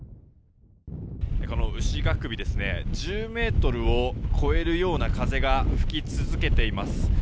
この牛ヶ首１０メートルを超えるような風が吹き続けています。